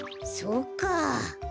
そっかあ。